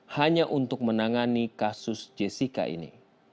hanya untuk menangani kasus jessica ini